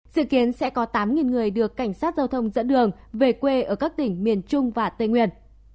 dự kiến sẽ có tám người được cảnh sát giao thông dẫn đường về quê ở các tỉnh miền trung và tây nguyên